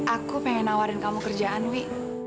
aku pengen nawarin kamu kerjaan wi